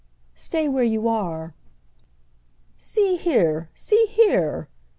"Stay where you are!" "See here—see here!"